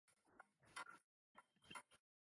灵吸怪是雌雄同体的生物。